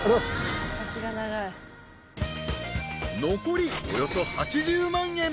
［残りおよそ８０万円］